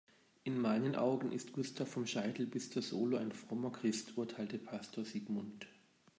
In meinen Augen ist Gustav vom Scheitel bis zur Sohle ein frommer Christ, urteilte Pastor Sigmund.